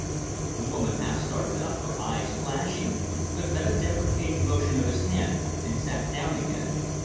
The woman half started up, her eyes flashing, but met a deprecating motion of his hand and sat down again.